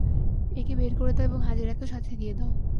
একে বের করে দাও এবং হাজেরাকেও সাথে দিয়ে দাও।